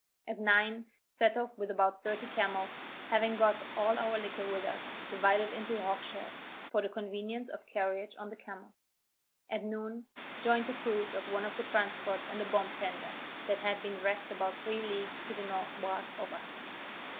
At nine, set off with about thirty camels, having got all our liquor with us, divided into hogsheads, for the convenience of carriage on the camels. At noon, joined the crews of one of the transports and a bomb tender, that had been wrecked about three leagues to the northward of us.